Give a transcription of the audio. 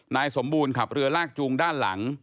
นายสมบูรณ์ขับเรือลากจูงด้านหลัง